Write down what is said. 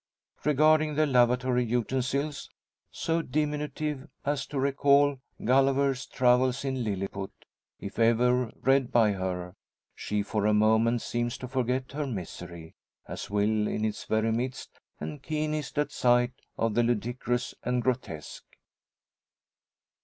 Regarding the lavatory utensils so diminutive as to recall "Gulliver's Travels in Lilliput," if ever read by her she for a moment seems to forget her misery, as will in its very midst, and keenest, at sight of the ludicrous and grotesque.